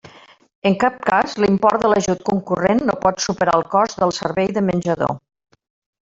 En cap cas l'import de l'ajut concurrent no pot superar el cost del servei de menjador.